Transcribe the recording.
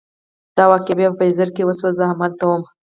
دا واقعه بیا په بیزر کې وشوه، زه همالته وم.